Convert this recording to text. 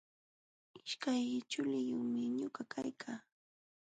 Ishkay chuliyumi ñuqa kaykaa.